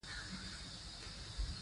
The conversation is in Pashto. تاریخ د خپل ولس د سربلندۍ ښيي.